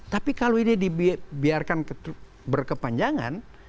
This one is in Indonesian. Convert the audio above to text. tapi kalau ini dibiarkan berkepanjangan